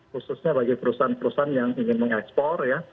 khususnya bagi perusahaan perusahaan yang ingin mengekspor ya